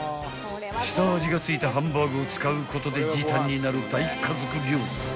［下味がついたハンバーグを使うことで時短になる大家族料理］